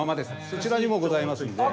そちらにもございますんで。